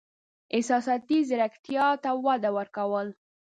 احساساتي زیرکتیا ته وده ورکول: